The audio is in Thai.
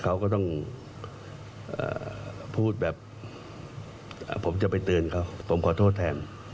เขาก็ต้องพูดแบบผมจะไปเตือนเขาผมขอโทษแทน